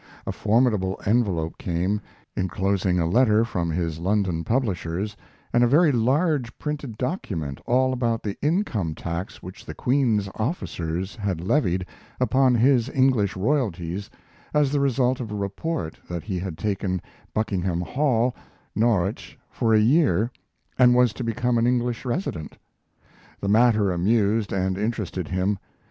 A formidable envelope came, inclosing a letter from his London publishers and a very large printed document all about the income tax which the Queen's officers had levied upon his English royalties as the result of a report that he had taken Buckenham Hall, Norwich, for a year, and was to become an English resident. The matter amused and interested him.